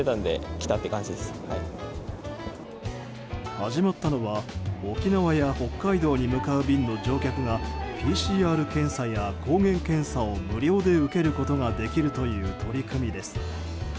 始まったのは沖縄や北海道に向かう便の乗客がＰＣＲ検査や抗原検査を無料で受けることができるという取り組みです。